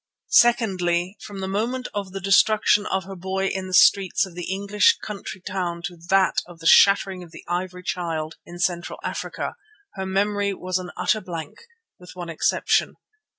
Secondly, from the moment of the destruction of her boy in the streets of the English country town to that of the shattering of the Ivory Child in Central Africa her memory was an utter blank, with one exception.